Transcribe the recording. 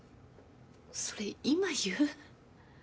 それ今言う？